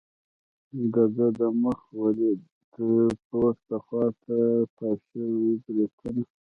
د ده مخ ولید، پورته خوا ته تاو شوي بریتونه.